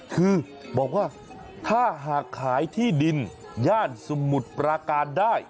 คือบอกว่าถ้าหากขายที่ดินย่านสมุทรปราการได้